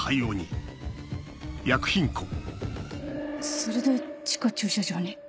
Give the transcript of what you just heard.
それで地下駐車場に？